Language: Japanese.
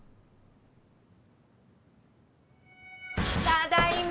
ただいま。